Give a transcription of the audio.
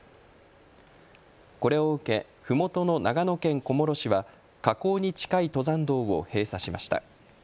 これを受け、ふもとの長野県小諸市は火口に近い登山道を閉鎖しました。